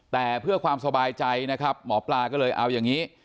แต่เพื่อความสบายใจนะครับหมอปลาก็เลยเอาอย่างนี้